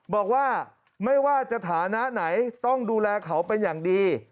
บอกว่าไม่ว่าสถานะไหนต้องดูแลเขาเป็นอย่างดี